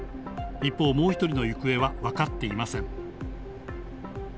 一方、もう１人の行方は分かっていません。